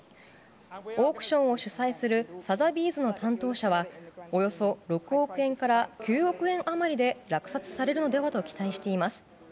オークションを主催するサザビーズの担当者はおよそ６億円から９億円余りで落札されるのではと期待しています。